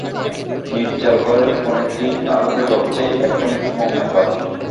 নীরজার ঘরের কোণে ক্ষীণ আলোতে জ্বলছে একটা মোমের বাতি।